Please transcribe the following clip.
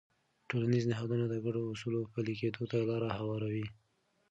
ټولنیز نهادونه د ګډو اصولو پلي کېدو ته لاره هواروي.